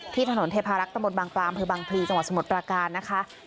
ที่ถนนเทพารักษ์ตะหมดบางปรามที่บางพรีจังหวัดสมุทรประการนะคะ